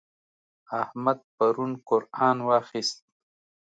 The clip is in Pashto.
احمد پرون قرآن واخيست.